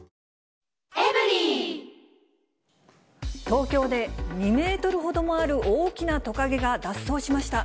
東京で、２メートルほどもある大きなトカゲが脱走しました。